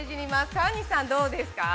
川西さん、どうですか。